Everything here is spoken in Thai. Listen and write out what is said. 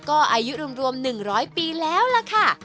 ก็อายุรวมหนึ่งร้อยปีแล้วล่ะค่ะ